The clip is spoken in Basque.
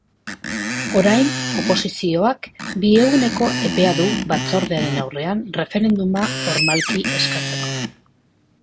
Orain oposizioak bi eguneko epea du batzordearen aurrean referenduma formalki eskatzeko.